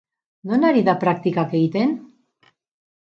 Non ari da praktikak egiten?